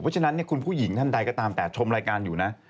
เพราะฉะนั้นคุณผู้หญิงท่านใดก็ตามแต่ชมรายการอยู่นะ